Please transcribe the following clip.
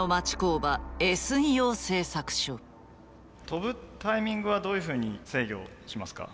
跳ぶタイミングはどういうふうに制御しますか？